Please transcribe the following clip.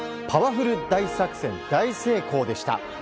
パワフル大作戦大成功でした。